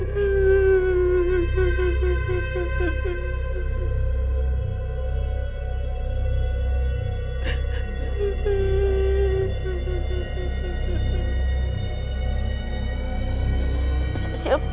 tidak ada yang tahu